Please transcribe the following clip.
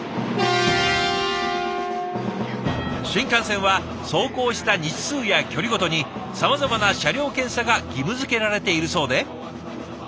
新幹線は走行した日数や距離ごとにさまざまな車両検査が義務づけられているそうで。